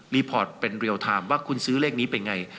พอร์ตเป็นเรียลไทม์ว่าคุณซื้อเลขนี้เป็นไง